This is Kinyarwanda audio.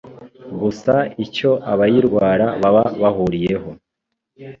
Gusa icyo abayirwara baba barahuriyeho